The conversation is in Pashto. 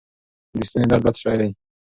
د ستوني درد بد شی دی.